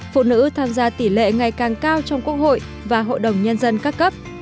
phụ nữ tham gia tỷ lệ ngày càng cao trong quốc hội và hội đồng nhân dân các cấp